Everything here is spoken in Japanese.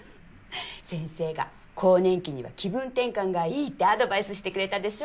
先生が更年期には気分転換がいいってアドバイスしてくれたでしょ。